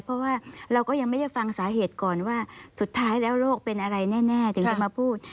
เพราะว่าเราก็ยังไม่ได้ฟังสาเหตุก่อนว่าสุดท้ายแล้วโรคเป็นอะไรแน่ถึงจะมาพูด